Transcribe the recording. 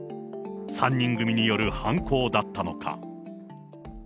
３人組による犯行だったのか。